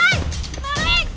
malin jangan lupa